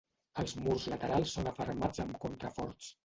Els murs laterals són afermats amb contraforts.